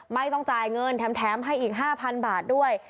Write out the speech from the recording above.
ไม่ต้องจ่ายเงินแถมให้อีก๕๐๐๐บาทด้วย